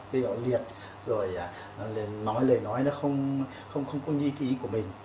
vì họ liệt rồi nói lời nói nó không có nghi ký của mình